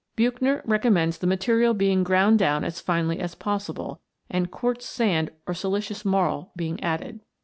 Buchner recommends the material being ground down as finely as possible, and quartz sand or silicious marl being added.